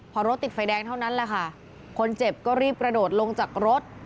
พอรถติดไฟแดงเท่านั้นแหละค่ะคนเจ็บก็รีบกระโดดลงจากรถ